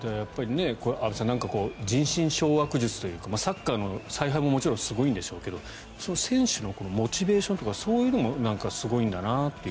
安部さん人心掌握術というかサッカーの采配ももちろんすごいんでしょうけど選手のモチベーションとかそういうのもすごいんだなっていう。